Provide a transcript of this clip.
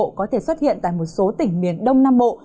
nhiệt độ có thể xuất hiện tại một số tỉnh miền đông nam bộ